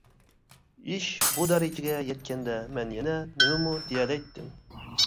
ئىش بۇ دەرىجىگە يەتكەندە مەن يەنە نېمىمۇ دېيەلەيتتىم؟ !